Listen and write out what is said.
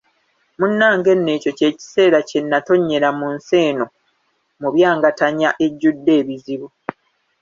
Munnange nno ekyo kye kiseera kye nnatonnyerako mu nsi eno mubyangatanya, ejjudde ebizibu.